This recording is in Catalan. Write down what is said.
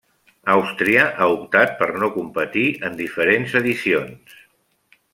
Àustria ha optat per no competir en diferents edicions.